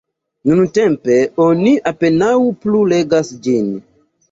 Nuntempe oni apenaŭ plu legas ĝin.